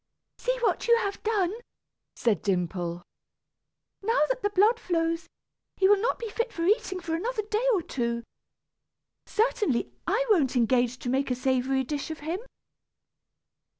"See what you have done!" cried Dimple. "Now that the blood flows, he will not be fit for eating for another day or two. Certainly, I won't engage to make a savory dish of him."